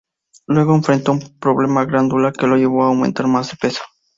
Luego enfrentó un problema glandular que lo llevó a aumentar más de peso.